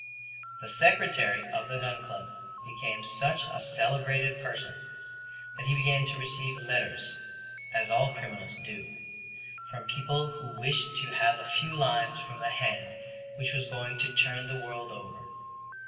The Secretary of the Gun Club became such a celebrated person that he began to receive letters, as all criminals do, from people who wished to have a few lines from the hand which was going to turn the world over.